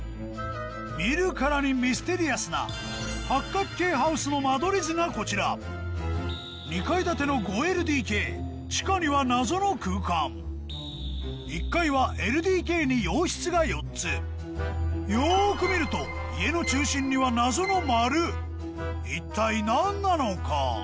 見るからにミステリアスな八角形ハウスの間取り図がこちら２階建ての５ＬＤＫ地下には謎の空間１階はＬＤＫに洋室が４つよく見ると家の中心には謎の丸一体何なのか？